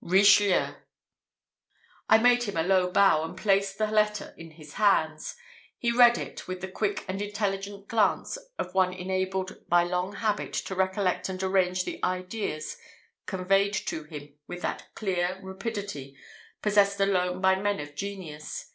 "Richelieu." I made him a low bow, and placed the letter in his hands. He read it, with the quick and intelligent glance of one enabled by long habit to collect and arrange the ideas conveyed to him with that clear rapidity possessed alone by men of genius.